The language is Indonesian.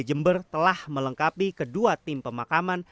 jember telah melengkapi kedua tim pemakaman